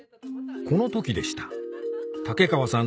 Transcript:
この時でした竹川さん